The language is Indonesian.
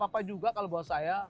ya gak apa apa juga kalau buat saya